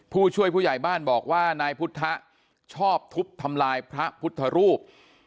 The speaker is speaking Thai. ผู้ช่วยผู้ใหญ่บ้านบอกว่านายพุทธชอบทุบทำลายพระพุทธรูป